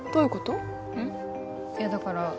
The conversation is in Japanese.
うん？いやだから